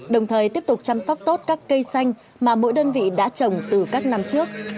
đồng thời tiếp tục chăm sóc tốt các cây xanh mà mỗi đơn vị đã trồng từ các năm trước